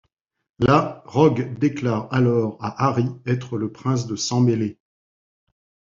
Là, Rogue déclare alors à Harry être le prince de Sang-Mêlé.